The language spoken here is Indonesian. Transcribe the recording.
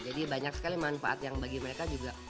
jadi banyak sekali manfaat yang bagi mereka juga